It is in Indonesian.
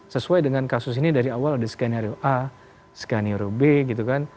sesuai dengan kasus ini dari awal ada skenario a skenario b gitu kan